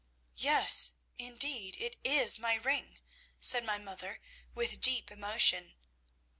"'Yes, indeed it is my ring,' said my mother, with deep emotion.